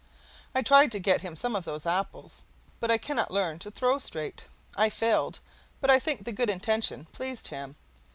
I tried to get him some of those apples, but I cannot learn to throw straight. I failed, but I think the good intention pleased him.